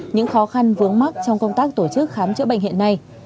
những khó khăn vướng mắt trong công tác tổ chức khám chữa bệnh hiện nay